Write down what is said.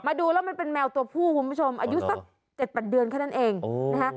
ดูแล้วมันเป็นแมวตัวผู้คุณผู้ชมอายุสัก๗๘เดือนแค่นั้นเองนะคะ